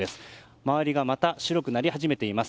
周りがまた白くなり始めています。